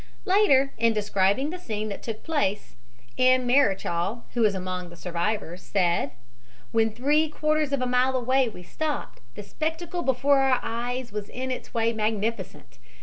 Later, in describing the scene that took place, M. Marechal, who was among the survivors, said: "When three quarters of a mile away we stopped, the spectacle before our eyes was in its way magnificent.